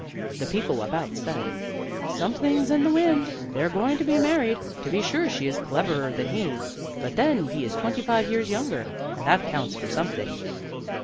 The people about said, "Something's in the wind. They're going to be married. To be sure she is cleverer than he, but then he is twenty five years younger, and that counts for something."